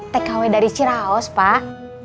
tkw dari ciraos pak